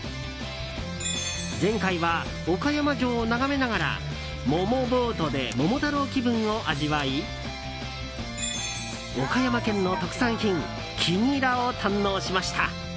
前回は、岡山城を眺めながら桃ボートで桃太郎気分を味わい岡山県の特産品黄ニラを堪能しました。